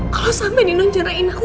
kalau sampai nino ngerain aku